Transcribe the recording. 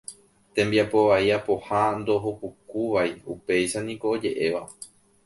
Tembiapo vai apoha ndohopukúvai, upéicha niko oje'éva.